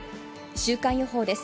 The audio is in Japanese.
週間予報です。